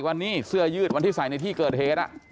วันนี้เสื้อยืดวันที่ใส่ในที่เกิดเหตุ